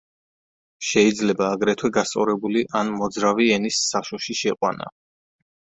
შეიძლება აგრეთვე გასწორებული ან მოძრავი ენის საშოში შეყვანა.